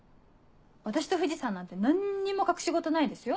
私と藤さんなんて何にも隠し事ないですよ。